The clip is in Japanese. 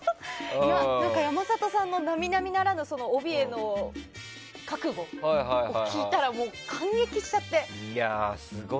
山里さんの並々ならぬ帯への覚悟を聞いたら感激しちゃって。